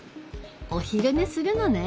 お昼寝するのね！